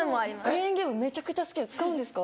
クレーンゲームめちゃくちゃ好きで使うんですか？